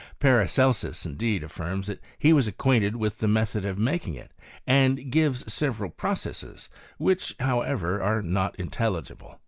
Paracelsus, indeed, affirms, that he was acquainted with the method of making it, and gives several processes, which, how ertTy wte not intdlligible.